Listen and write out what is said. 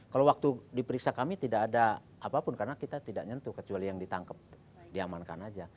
kalau waktu diperiksa kami tidak ada apapun karena kita tidak nyentuh kecuali yang ditangkap diamankan aja